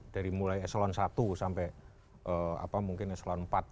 dari mulai eselon satu sampai mungkin eselon empat